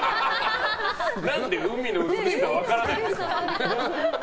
何で海の美しさは分からないんですか。